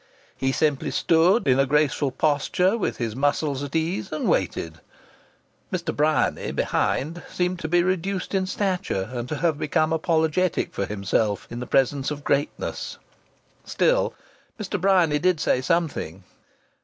He simply stood, in a graceful posture, with his muscles at ease, and waited. Mr. Bryany, behind, seemed to be reduced in stature, and to have become apologetic for himself in the presence of greatness. Still, Mr. Bryany did say something.